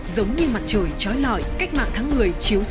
giống như mặt trời trói lỏi cách mạng tháng một mươi chiếu sát